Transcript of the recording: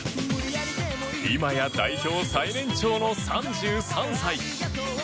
今や代表最年長の３３歳。